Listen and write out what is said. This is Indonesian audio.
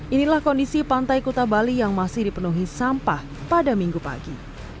inilah kondisi pantai kuta bali yang masih dipenuhi sampah pada minggu pagi